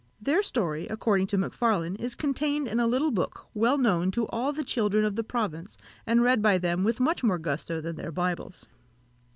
Their story, according to Macfarlane, is contained in a little book well known to all the children of the province, and read by them with much more gusto than their Bibles.